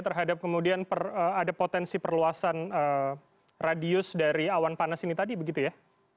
terhadap kemudian ada potensi perluasan radius dari awan panas ini tadi begitu ya